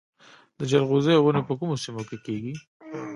د جلغوزیو ونې په کومو سیمو کې کیږي؟